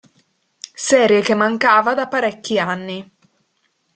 Serie che mancava da parecchi anni.